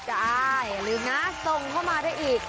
อย่าลืมนะส่งเข้ามาได้อีก